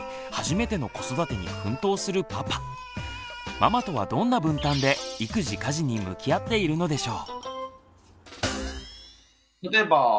ママとはどんな分担で育児・家事に向き合っているのでしょう？